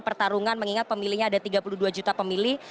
pertarungan mengingat pemilihnya ada tiga puluh dua juta pemilih